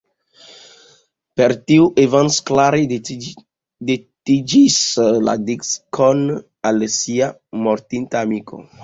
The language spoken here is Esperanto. Per tio Evans klare dediĉis la diskon al sia mortinta amiko.